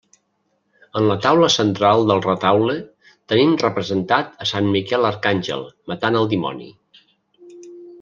En la taula central del retaule tenim representat a Sant Miquel Arcàngel matant al dimoni.